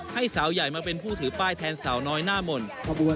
ให้สาวใหญ่มาเป็นผู้ที่สนามและก็ให้สาวใหญ่มาเป็นผู้ที่สนาม